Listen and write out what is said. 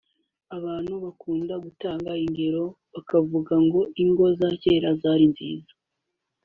Abantu bakunda gutanga ingero bakavuga ngo ingo za kera zari nziza